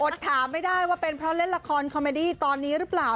ถามไม่ได้ว่าเป็นเพราะเล่นละครคอมเมดี้ตอนนี้หรือเปล่า